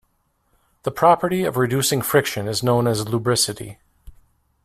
The property of reducing friction is known as lubricity.